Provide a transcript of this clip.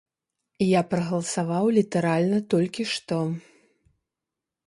Я прагаласаваў літаральна толькі што.